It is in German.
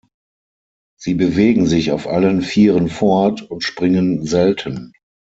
Sie bewegen sich auf allen vieren fort und springen selten.